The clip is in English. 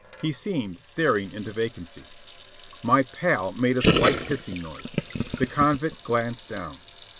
He seemed staring into vacancy. My pal made a slight hissing noise. The convict glanced down.